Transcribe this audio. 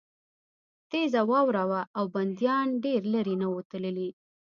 تېزه واوره وه او بندیان ډېر لېرې نه وو تللي